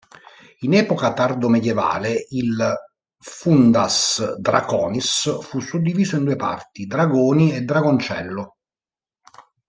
In epoca tardo-medioevale il "Fundus Draconis" fu suddiviso in due parti: "Dragoni" e "Dragoncello".